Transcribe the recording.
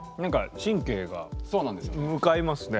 神経が向かいますね。